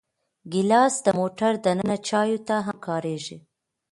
ګیلاس د موټر دننه چایو ته هم کارېږي.